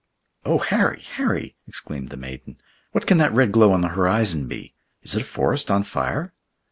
"Oh, Harry! Harry!" exclaimed the maiden, "what can that red glow on the horizon be? Is it a forest on fire?"